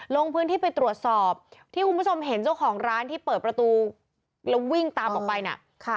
ลงพื้นที่ไปตรวจสอบที่คุณผู้ชมเห็นเจ้าของร้านที่เปิดประตูแล้ววิ่งตามออกไปน่ะ